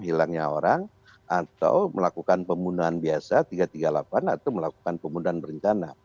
hilangnya orang atau melakukan pembunuhan biasa tiga ratus tiga puluh delapan atau melakukan pembunuhan berencana